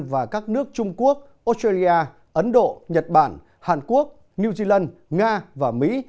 và các nước trung quốc australia ấn độ nhật bản hàn quốc new zealand nga và mỹ